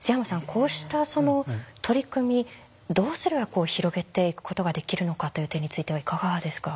こうした取り組みどうすれば広げていくことができるのかという点についてはいかがですか？